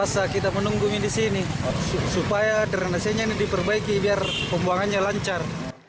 supaya drenasinya diperbaiki biar pembuangannya lancar